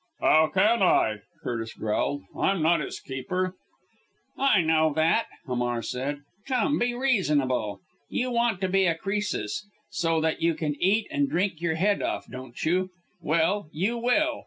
"How can I?" Curtis growled. "I'm not his keeper." "I know that!" Hamar said. "Come be reasonable. You want to be a Croesus so that you can eat and drink your head off don't you! Well! You will!